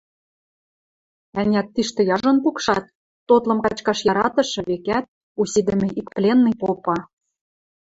– Ӓнят, тиштӹ яжон пукшат, – тотлым качкаш яратышы, векӓт, усидӹмӹ ик пленный попа.